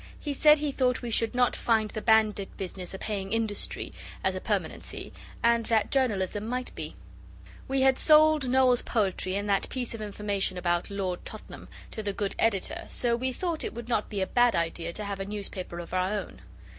He said he thought we should not find the bandit business a paying industry, as a permanency, and that journalism might be. We had sold Noel's poetry and that piece of information about Lord Tottenham to the good editor, so we thought it would not be a bad idea to have a newspaper of our own.